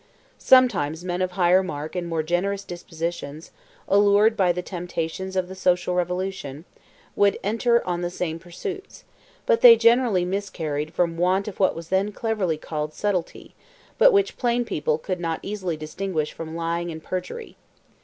Sometimes men of higher mark and more generous dispositions, allured by the temptations of the social revolution, would enter on the same pursuits, but they generally miscarried from want of what was then cleverly called "subtlety," but which plain people could not easily distinguish from lying and perjury.